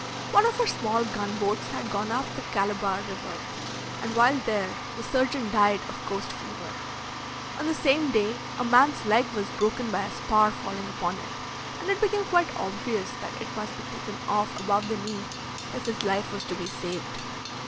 One of our small gunboats had gone up the Calabar river, and while there the surgeon died of coast fever. On the same day a man's leg was broken by a spar falling upon it, and it became quite obvious that it must be taken off above the knee if his life was to be saved.